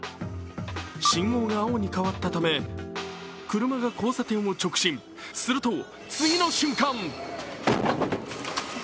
信号が青に変わったため車が交差点を直進、すると次の瞬間